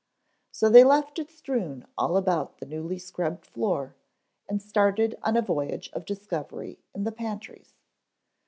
So they left it strewn all about the newly scrubbed floor, and started on a voyage of discovery in the pantries.